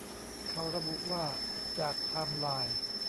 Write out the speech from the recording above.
ข่าวระบุว่าจากไทม์ไลน์